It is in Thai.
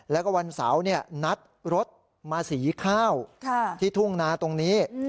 แล้วก็วันเสาร์นัดรถมาสีข้าวที่ทุ่งนาตรงนี้